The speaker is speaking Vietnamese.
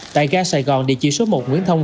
tại ga sài gòn địa chỉ số một nguyễn thông